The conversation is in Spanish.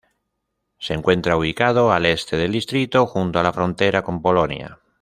Se encuentra ubicado al este del distrito, junto a la frontera con Polonia.